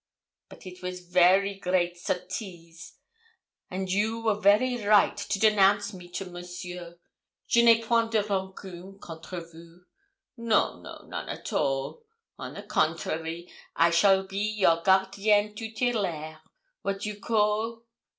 But it was very great sottise, and you were very right to denounce me to Monsieur. Je n'ai point de rancune contre vous. No, no, none at all. On the contrary, I shall be your gardienne tutelaire wat you call?